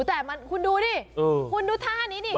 แต่คุณดูดิคุณดูท่านี้ดิ